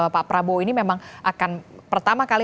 pak prabowo ini memang akan pertama kali